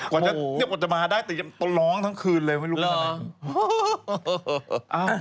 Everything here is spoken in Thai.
ก่อนจะมาได้ต้องร้องทั้งคืนเลยไม่รู้แบบไหน